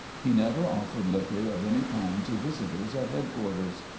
He never offered liquor of any kind to visitors at headquarters.